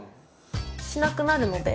しなくなるので。